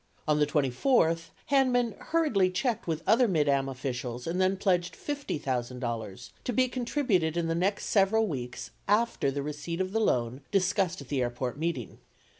On the 24th, Hanman hurriedly checked with _ other Mid Am officials and then pledged $50,000 to be contributed in the next several weeks after the receipt of the loan discussed at the airport meeting.